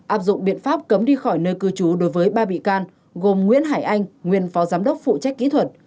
áp dụng biện pháp cấm đi khỏi nơi cư trú đối với ba bị can gồm nguyễn hải anh nguyên phó giám đốc phụ trách kỹ thuật